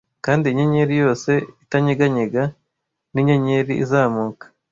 kandi inyenyeri yose itanyeganyega ninyenyeri izamuka